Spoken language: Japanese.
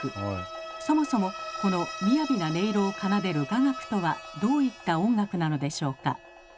そもそもこの雅な音色を奏でる雅楽とはどういった音楽なのでしょうか。